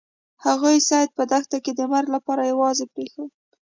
هغوی سید په دښته کې د مرګ لپاره یوازې پریښود.